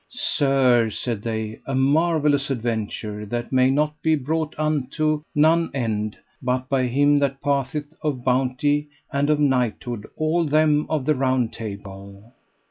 Sir, said they, a marvellous adventure that may not be brought unto none end but by him that passeth of bounty and of knighthood all them of the Round Table.